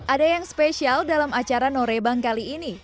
ada yang spesial dalam acara norebang kali ini